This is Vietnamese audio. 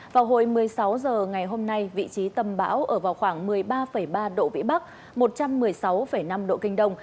vào hồi một mươi sáu h ngày hôm nay vị trí tâm bão ở vào khoảng một mươi ba ba độ vĩ bắc một trăm một mươi sáu năm độ kinh đông